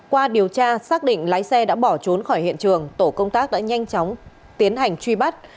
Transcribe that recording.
qua điều tra xác định lái xe đã bỏ trốn khỏi hiện trường tổ công tác đã nhanh chóng tiến hành truy bắt